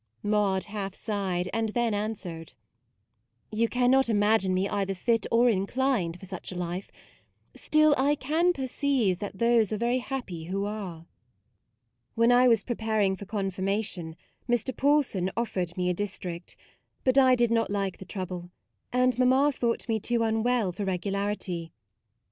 Maude half sighed, and then an swered : u You cannot imagine me either fit or inclined for such a life; still, I can perceive that those are very happy who are. When I was preparing for confirmation Mr. Paul son offered me a district ; but I did not like the trouble, and mamma thought me too unwell for regularity.